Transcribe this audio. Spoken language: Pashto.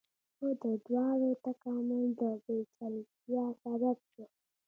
خو د دواړو تکامل د پیچلتیا سبب شو.